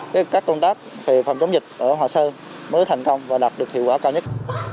các công tác về phòng chống dịch ở hòa sơn mới thành công và đạt được hiệu quả cao nhất